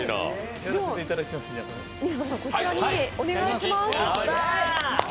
水田さん、こちらにお願いします。